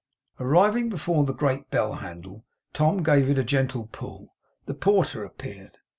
Arriving before the great bell handle, Tom gave it a gentle pull. The porter appeared.